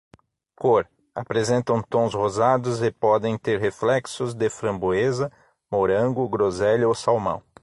Cor: apresentam tons rosados e podem ter reflexos de framboesa, morango, groselha ou salmão.